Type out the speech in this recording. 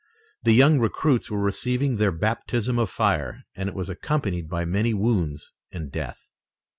The young recruits were receiving their baptism of fire and it was accompanied by many wounds and death.